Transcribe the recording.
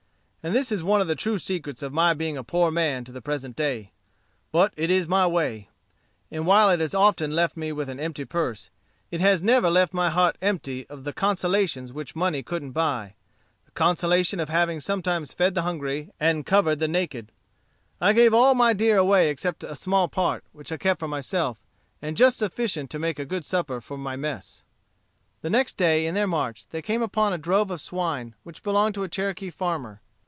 And this is one of the true secrets of my being a poor man to the present day. But it is my way. And while it has often left me with an empty purse, yet it has never left my heart empty of consolations which money couldn't buy; the consolation of having sometimes fed the hungry and covered the naked. I gave all my deer away except a small part, which I kept for myself, and just sufficient to make a good supper for my mess." The next day, in their march, they came upon a drove of swine, which belonged to a Cherokee farmer.